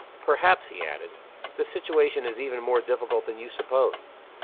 "Perhaps," he added, "the situation is even more difficult than you suppose.